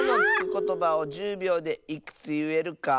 ことばを１０びょうでいくついえるか。